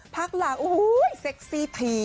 ภาคหลังอุ้ยยยยเซ็กซี่ผี